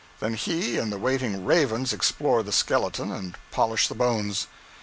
Then he and the waiting ravens explore the skeleton and polish the bones.